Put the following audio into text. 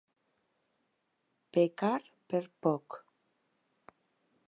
Pecar per poc.